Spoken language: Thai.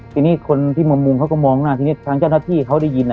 ทีนี้คนที่มามุงเขาก็มองหน้าทีนี้ทางเจ้าหน้าที่เขาได้ยิน